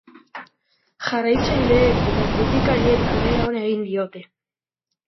Jarraitzaileek eta kritikariek harrera ona egin diote.